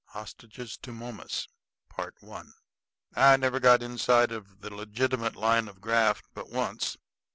HOSTAGES TO MOMUS I I never got inside of the legitimate line of graft but once.